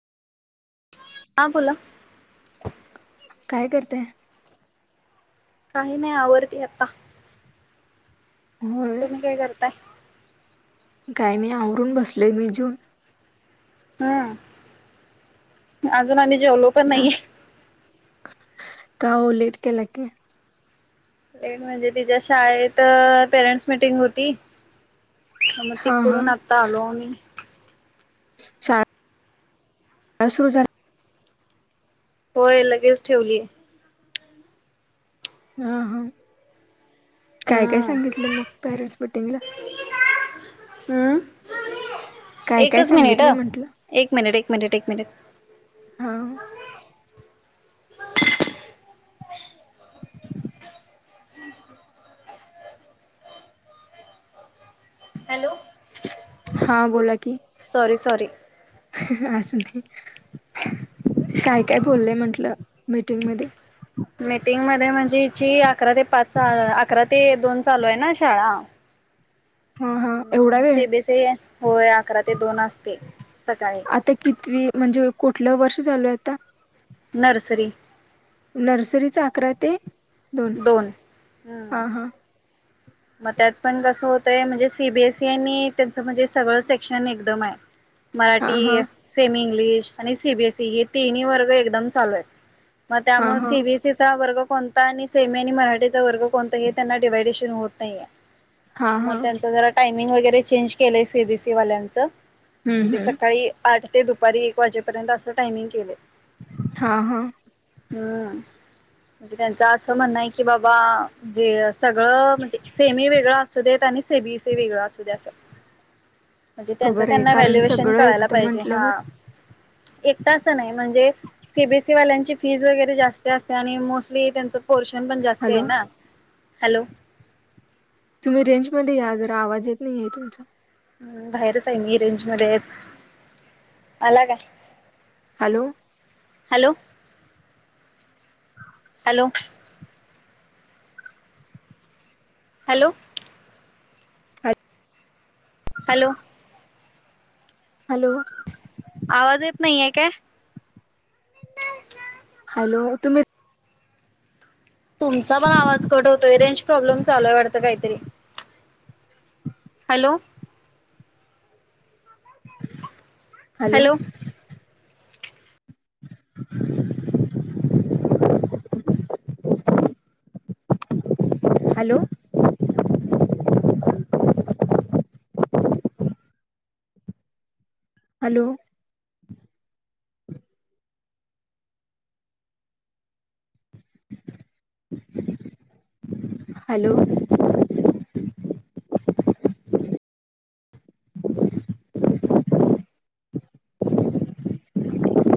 हां बोला. काय करतेय. काही नाही आवरंती आत्ता. मोहरत. तुम्ही काय करताय? काय नहीं आवरून बसलेय मी जूत. हं आजून आम्ही जेवलो पण नाहीये. का लेट केला काय. ए म्हणजे तिच्या शाळेत, पेरेंटस मिटिंग होती. म हा ति हा. करुन आता आलो आमी. चा. ह सुरू झा होय लगेच ठेवलीय. हा हा काय, काय, सांगितल मग पॅरेंटस मिटिंगला. हूं काय काय एकच मिनिट अ. सांगितलंय म्हंटलं? एक मिनिट, एक मिनिट, एक मिनिट. हा! हॅलो! हा बोला की. Sorry, sorry. काय काय बोलले म्हंटलं मीटिंगमध्ये? मीटिंगमध्ये म्हणजे हिची अकरा ते पाच, अकरा ते दोन चालू आहे ना शाळा. [unintelligible] हा हा. हम्म, एवढा वेळ? [unintelligible] होय. अकरा ते दोन असते सकाळी. आता कितवी म्हणजे कुठलं वर्ष चालू आहे आता? नर्सरी. नर्सरीचा अकरा ते दोन. हम्म. हा हा. मग त्यात पण कसं होतंय म्हणजे सी बी एस ई आणि त्यांचं म्हणजे सगळं सेक्शन एकदम आहे. हा हा. मराठी, सेमी इंग्लिश, आणि सी बी एस ई. हे तिन्ही वर्ग एकदम चालू आहेत. मग हा त्यामुळे हा. सी बी एस ईचा वर्ग कोणता? आणि सेमी आणि मराठीचा वर्ग कोणता? हे त्यांना डिवायडेशन होत नाहीये. हा मग हा. त्यांच जरा टाइमिंग वगैरे चेंज केलंय सी बी सी वाल्यांचं. हम्म म्हणजे हम्म. सकाळी आठ ते दुपारी एक वाजेपर्यंत असं टायमिंग केलंय. हा हा. हम्म. म्हणजे त्यांच असं म्हणणं आहे की, बाबा जे सगळं म्हणजे सेमी वेगळा असू देत आणि से बी सी वेगळा असू दे असं. म्हणजे त्यांचं बरोबर आहे. त्यांना कारण व्हॅल्युएशन सगळं कळायला एकदम पाहिजे म्हंटल्यावर हा, एकटा असं नाही म्हणजे सी बी एस ई वाल्यांची फीज वगैरे जास्त असते, आणि मोस्टली त्यांचं पोर्शन पण जास्त हॅलो आहे ना. हॅलो. तुम्ही रेंज मध्ये या जरा. आवाज येत नाही आहे तुमचा. हम्म, बाहेरच आहे मी रेंज मध्येच. आला का? Hello. Hello. Hello. Hello. Hello. Hello. आवाज येत नाहीये काय? हॅलो, तुम्ही? तुमचा पण आवाज कट होतोय. रेंज प्रॉब्लेम चालूय वाटत काहीतरी. Hello. Hello. [inaudible] Hello. Hello. Hello.